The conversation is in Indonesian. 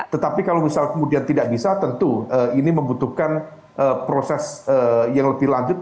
tetapi kalau misal kemudian tidak bisa tentu ini membutuhkan proses yang lebih lanjut